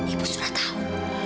ibu sudah tahu